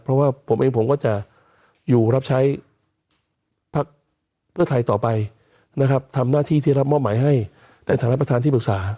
เพราะว่าผมเองผมก็จะอยู่รับใช้พักเพื่อไทยต่อไปนะครับทำหน้าที่ที่รับมอบหมายให้ในฐานะประธานที่ปรึกษา